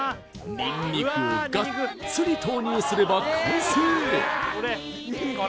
ニンニクをがっつり投入すれば完成！